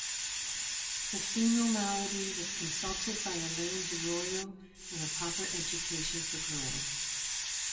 "The Female Malady" was consulted by Elaine DiRollo in "A Proper Education for Girls.